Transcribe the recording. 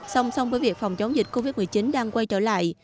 song song với việc phòng chống dịch covid một mươi chín đang quay trở lại